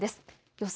予想